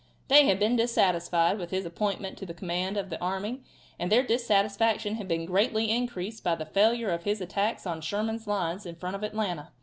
They had been dissatisfied with his appointment to the command of the army, and their dissatisfaction had been greatly increased by the failure of his attacks on Sherman's lines in front of Atlanta.